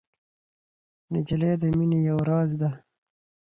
نجلۍ د مینې یو راز ده.